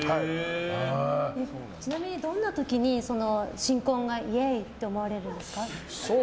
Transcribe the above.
ちなみに、どんな時に新婚がイエーイって思われるんですか。